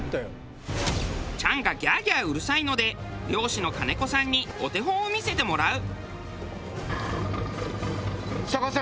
チャンがギャーギャーうるさいので漁師の金子さんにお手本を見せてもらう。